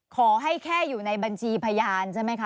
ขอให้แค่อยู่ในบัญชีพยานใช่ไหมคะ